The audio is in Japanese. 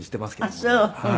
あっそう。